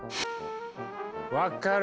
分っかる！